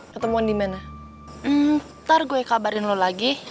kamu akan aku ambil lagi